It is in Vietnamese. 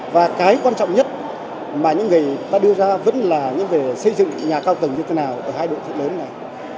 và cái quan trọng nhất mà những người ta đưa ra vẫn là những việc xây dựng nhà cao tầng như thế nào ở hai đô thị lớn này